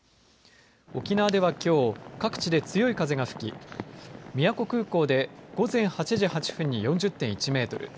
沖縄ではきょう各地で強い風が吹き宮古空港で午前８時８分に４０．１メートル。